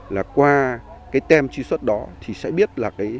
là qua cái tem truy xuất đó thì sẽ biết là cái sản phẩm